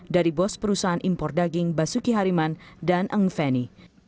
dari bos perusahaan impor daging basuki hariman dan engveni